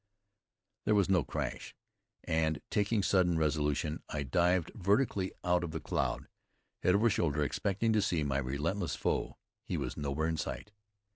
There was no crash, and taking sudden resolution, I dived vertically out of the cloud, head over shoulder, expecting to see my relentless foe. He was nowhere in sight.